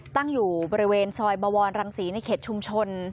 ตั้งอยู่บริเวณซอยบวรรังศรีในเขตชุมชน